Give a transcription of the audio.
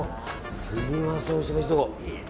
すみません、お忙しいところ。